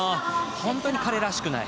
本当に彼らしくない。